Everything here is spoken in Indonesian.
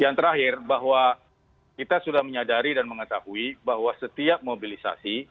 yang terakhir bahwa kita sudah menyadari dan mengetahui bahwa setiap mobilisasi